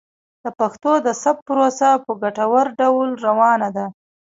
د پښتو د ثبت پروسه په ګټور ډول روانه ده.